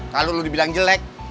kalo lo dibilang jelek